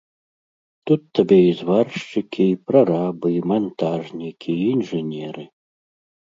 Тут табе і зваршчыкі, і прарабы, і мантажнікі, і інжынеры.